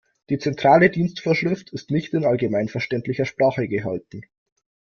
Die Zentrale Dienstvorschrift ist nicht in allgemeinverständlicher Sprache gehalten.